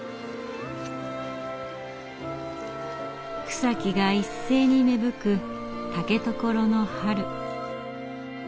草木が一斉に芽吹く竹所の春。